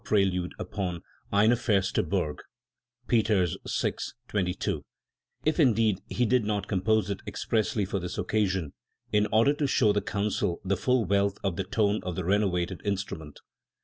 171 upon "Bin feste Burg" (Peters VI, 22), if indeed he did not compose it expressly for this occasion in order to show the Council the full wealth of tone of the renovated instrument.